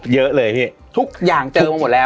เยอะเลยพี่ทุกอย่างเจอมาหมดแล้ว